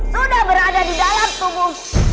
sudah berada di dalam tubuh